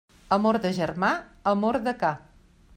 Amor de germà, amor de ca.